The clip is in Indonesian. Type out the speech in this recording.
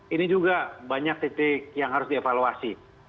ini juga banyak titik yang harus dievaluasi